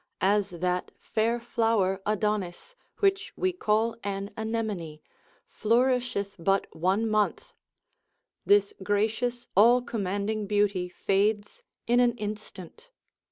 As that fair flower Adonis, which we call an anemone, flourisheth but one month, this gracious all commanding beauty fades in an instant.